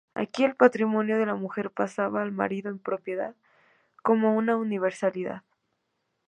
Aquí el patrimonio de la mujer pasaba al marido en propiedad como una universalidad.